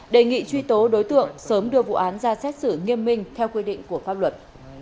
đề nghị truy tố đối tượng sớm đưa vụ án ra xét xử nghiêm minh theo quy định của pháp luật